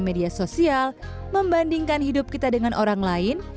media sosial membandingkan hidup kita dengan orang lain